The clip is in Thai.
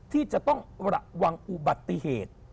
ที่จะต้องระวังอุบัติเหตุ